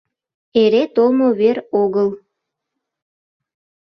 Эре толмо вер огыл.